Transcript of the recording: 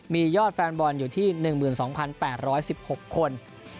มียอดแฟนบอลอยู่ที่๑๒๘๑๖คน